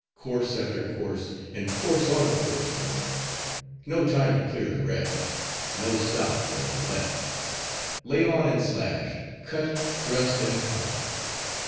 Course after course, and course on course, my lord; no time to clear the wreck; no stop nor let; lay on and slash; cut, thrust, and come.